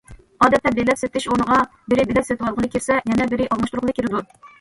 ئادەتتە بېلەت سېتىش ئورنىغا بىرى بېلەت سېتىۋالغىلى كىرسە، يەنە بىرى، ئالماشتۇرغىلى كىرىدۇ.